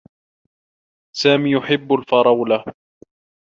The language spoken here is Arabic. سامي يحبّ الفرولة.